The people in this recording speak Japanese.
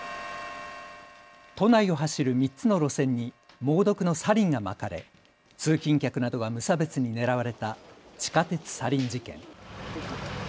都内を走る３つの路線に猛毒のサリンがまかれ通勤客などが無差別に狙われた地下鉄サリン事件。